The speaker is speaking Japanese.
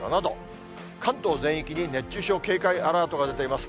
関東全域に熱中症警戒アラートが出ています。